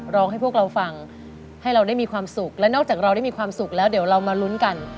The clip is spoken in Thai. ร้องให้พวกเราฟังให้เราได้มีความสุขและนอกจากเราได้มีความสุขแล้วเดี๋ยวเรามาลุ้นกัน